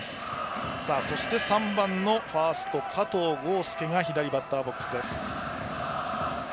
そして、３番のファースト加藤豪将が左バッターボックスです。